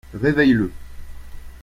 Réveille-le.